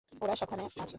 ওরা সবখানে আছে!